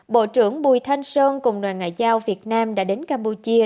bộ trưởng bùi thanh sơn cùng đoàn ngoại giao việt nam đã đến campuchia